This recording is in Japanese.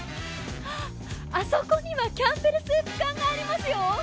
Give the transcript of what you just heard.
あそこにはキャンベル・スープ缶がありますよ。